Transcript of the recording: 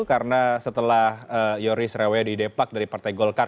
karena setelah yoris rewya didepak dari partai golkar